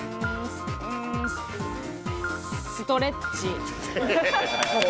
ストレッチ。